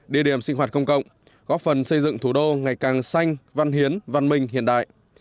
địa điểm sinh hoạt công cộng góp phần xây dựng thủ đô ngày càng xanh văn hiến văn minh hiện đại